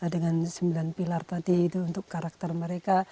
dengan sembilan pilar tadi itu untuk karakter mereka